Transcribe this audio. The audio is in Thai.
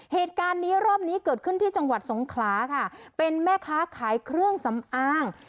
เหตุการณ์นี้รอบนี้เกิดขึ้นที่จังหวัดสงขลาค่ะเป็นแม่ค้าขายเครื่องสำอาง